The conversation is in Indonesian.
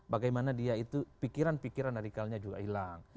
bagaimana dia itu pikiran pikiran radikalnya juga hilang